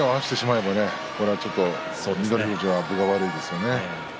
胸を合わせてしまえば翠富士、分が悪いですね。